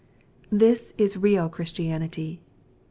This is real Ohristianitj.